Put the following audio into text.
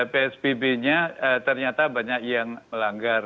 psbb nya ternyata banyak yang melanggar